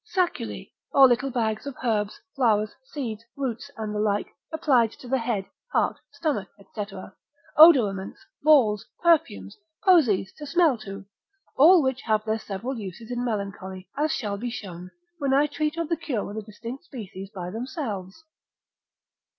Sacculi, or little bags of herbs, flowers, seeds, roots, and the like, applied to the head, heart, stomach, &c., odoraments, balls, perfumes, posies to smell to, all which have their several uses in melancholy, as shall be shown, when I treat of the cure of the distinct species by themselves.